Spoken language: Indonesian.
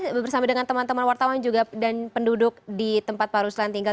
saya bersama dengan teman teman wartawan juga dan penduduk di tempat pak ruslan tinggal